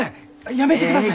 やめてください！